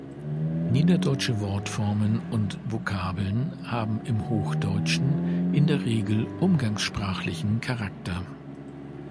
Niederdeutsche Wortformen und Vokabeln haben im Hochdeutschen in der Regel umgangssprachlichen Charakter.